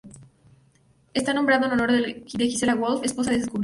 Está nombrado en honor de Gisela Wolf, esposa del descubridor.